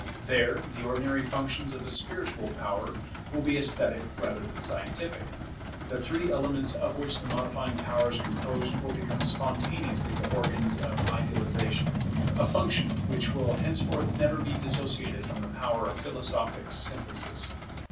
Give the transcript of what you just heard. There the ordinary functions of the spiritual power will be esthetic rather than scientific. The three elements of which the modifying power is composed will become spontaneously the organs of idealization, a function which will henceforth never be dissociated from the power of philosophic synthesis.